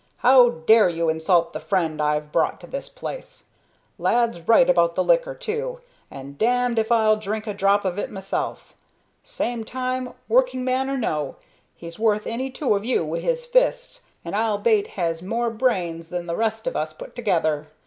"How dare you insult the friend I've brought to this place? Lad's right about the liquor, too, and damned if I'll drink a drop of it mysel'. Same time, working man or no, he's worth any two of you wi' his fists, and, I'll bate, has more brains than the rest of us put together.